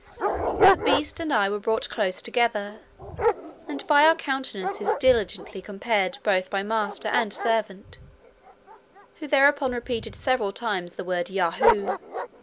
The beast and I were brought close together, and by our countenances diligently compared both by master and servant, who thereupon repeated several times the word Yahoo.